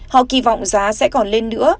họ kỳ vọng giá sẽ còn lên nữa